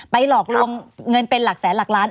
หลอกลวงเงินเป็นหลักแสนหลักล้าน